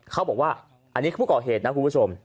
เขาบอกว่าอันนี้คือผู้ก่อเหตุนะคุณผู้ชม